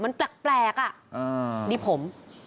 มันแปลกอ่ะนี่ผม